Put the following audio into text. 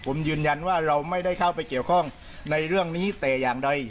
ผมยืนยันว่าเราไม่ได้เข้าไปเกี่ยวข้องในเรื่องนี้แต่อย่างใด